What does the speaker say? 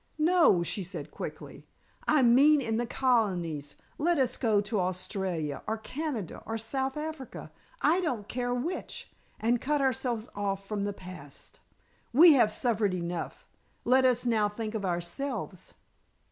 "No," she said quickly. "I mean in the Colonies. Let us go to Australia, or Canada, or South Africa, I don't care which, and cut ourselves off from the past. We have suffered enough; let us now think of ourselves."